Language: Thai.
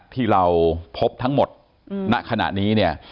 ที่เราพบทั้งหมดณขณะนี้